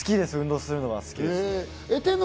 運動するのは好きです。